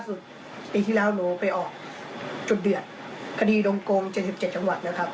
สุดปีที่แล้วหนูไปออกจุดเดือดคดีโดงโกงเจ็ดสิบเจ็ดจังหวัดนะครับ